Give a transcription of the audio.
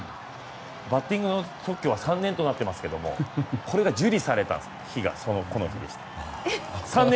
バッティングの特許は３年となっていますがこれが受理された日がこの日でした。